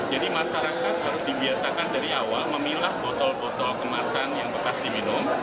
jadi masyarakat harus dibiasakan dari awal memilah botol botol kemasan yang bekas diminum